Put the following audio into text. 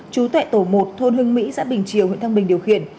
chú tại tổ một thôn hưng mỹ xã bình triều huyện thăng bình điều khiển